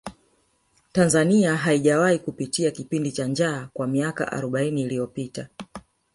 tanzania haijawahi kupitia kipindi cha njaa kwa miaka arobaini iliyopita